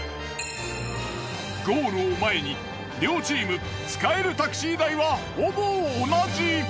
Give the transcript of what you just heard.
ゴールを前に両チーム使えるタクシー代はほぼ同じ。